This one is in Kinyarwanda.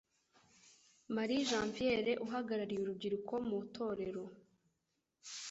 Marie Janviere uhagarariye urubyiruko mutorero